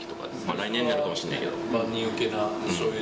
来年になるかもしれないけど。